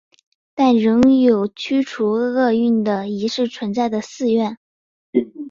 但仍有以驱除恶运的仪式存在的寺院。